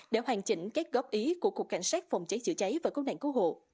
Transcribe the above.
để hoàn chỉnh các góp ý của cục cảnh sát phòng chế chữa cháy và công nạn cố hộ